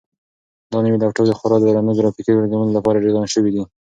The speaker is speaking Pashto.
دا نوی لپټاپ د خورا درنو ګرافیکي پروګرامونو لپاره ډیزاین شوی دی.